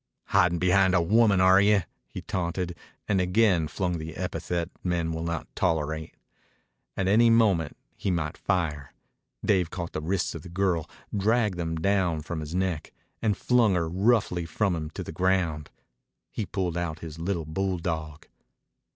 "Hidin' behind a woman, are you?" he taunted, and again flung the epithet men will not tolerate. At any moment he might fire. Dave caught the wrists of the girl, dragged them down from his neck, and flung her roughly from him to the ground. He pulled out his little bulldog.